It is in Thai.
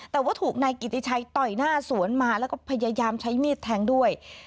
แต่ว่าถูกนายกิติชัยต่อยหน้าสวนมาแล้วก็พยายามใช้มีดแทงด้วย